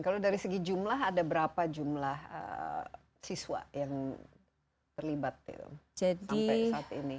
kalau dari segi jumlah ada berapa jumlah siswa yang terlibat sampai saat ini